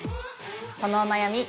そのお悩み